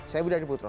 saya budha diputra